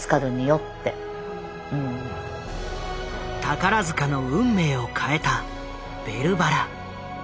宝塚の運命を変えた「ベルばら」。